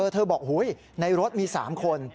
เธอบอกในรถมี๓คน